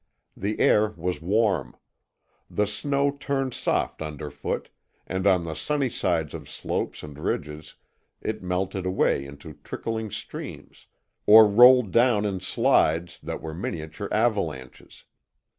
The air was warm. The snow turned soft underfoot and on the sunny sides of slopes and ridges it melted away into trickling streams or rolled down in "slides" that were miniature avalanches.